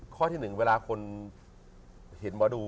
ข้อที่๑เวลาคนเห็นหมอดู